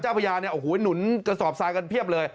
เจ้าพระยาเนี่ยโอ้โหหนุนกระสอบสายกันเพียบเลย